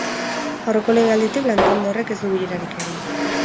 Aurreko legealditik lantalde horrek ez du bilerarik egin.